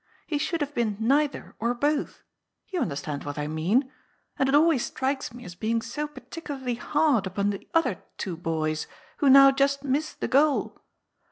He should have been neither or both ; you understand what I mean. And it always strikes me as being so particularly hard upon the other two boys, who now just miss the goal.